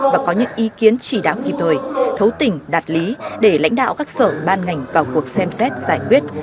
và có những ý kiến chỉ đáo kịp thời thấu tình đạt lý để lãnh đạo các sở ban ngành vào cuộc xem xét giải quyết